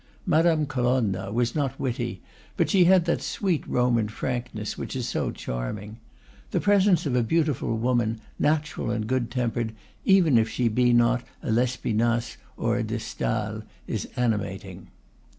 Madame Colonna was not witty, but she had that sweet Roman frankness which is so charming. The presence of a beautiful woman, natural and good tempered, even if she be not a L'Espinasse or a De Stael, is animating.